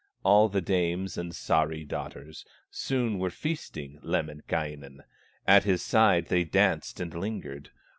All the dames and Sahri daughters Soon were feasting Lemminkainen, At his side they danced and lingered.